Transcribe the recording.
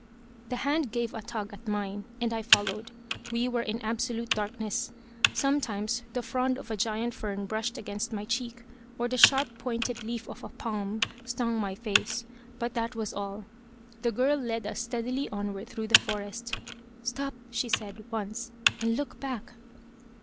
The hand gave a tug at mine, and I followed. We were in absolute darkness. Sometimes the frond of a giant fern brushed against my cheek, or the sharp pointed leaf of a palm stung my face, but that was all. The girl led us steadily onward through the forest. "Stop!" she said, once, "and look back."